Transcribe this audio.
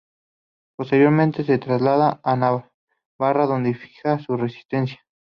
Posteriormente se traslada a Navarra, donde fija su residencia.